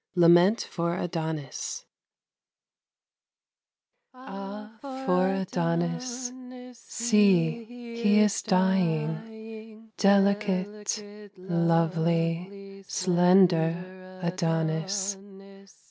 LAMENT FOR ADONIS Ah, for Adonis! See, he is dying, Delicate, lovely, Slender Adonis.